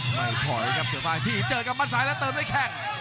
ไม่ถอยครับเสียป้ายที่เจอกับมัดซ้ายแล้วเติมด้วยแข้ง